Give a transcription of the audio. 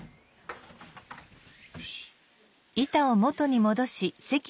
よし。